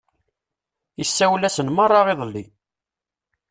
Isawel-asen meṛṛa iḍelli.